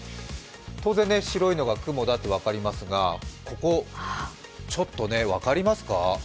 当然、白いのが雲だと分かりますがここ、ちょっと分かりますか？